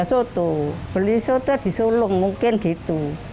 soto beli soto di sulung mungkin gitu